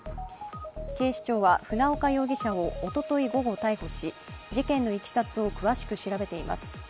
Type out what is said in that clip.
警視庁は、船岡容疑者をおととい午後逮捕し、事件のいきさつを詳しく調べています。